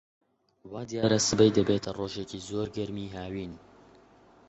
وا دیارە سبەی دەبێتە ڕۆژێکی زۆر گەرمی هاوین.